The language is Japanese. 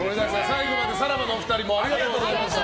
最後までさらばのお二人ありがとうございました。